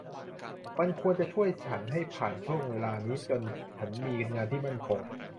มันควรจะช่วยฉันให้ผ่านพ้นช่วงเวลานี้จนฉันมีงานที่มั่นคง